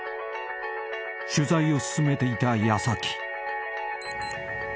［取材を進めていた矢先］